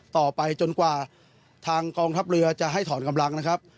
ต่อไปจนกว่าทางกองทัพเรือจะให้ถอนกำลังนะครับ